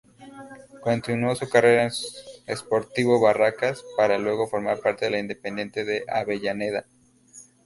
Continuó su carrera en Sportivo Barracas, para luego formar parte de Independiente de Avellaneda.